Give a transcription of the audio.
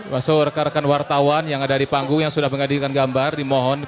masuk rekan rekan wartawan yang ada di panggung yang sudah menghadirkan gambar dimohon